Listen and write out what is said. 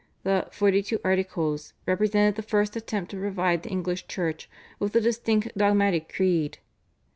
The /Forty two Articles/ represented the first attempt to provide the English Church with a distinct dogmatic creed.